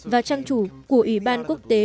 và trang chủ của ủy ban quốc tế